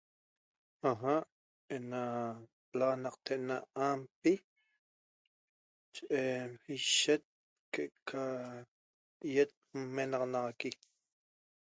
Aja ena laxanacte ena ampi ,ishet da que ca yet nmenaxaqui